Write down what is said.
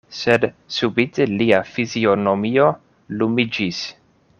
Sed subite lia fizionomio lumiĝis.